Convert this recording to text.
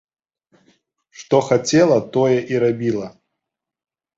Што хацела, тое і рабіла.